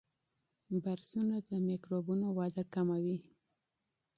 برسونه د میکروبونو وده کموي.